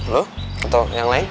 lo atau yang lain